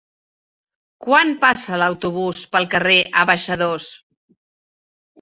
Quan passa l'autobús pel carrer Abaixadors?